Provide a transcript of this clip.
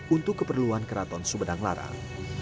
untuk keperluan keraton sumedang larang